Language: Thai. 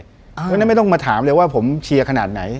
เพราะฉะนั้นไม่ต้องมาถามเลยว่าผมเชียร์ขนาดไหน